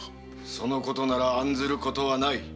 そのことなら案ずることはない。